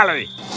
wah benar sekali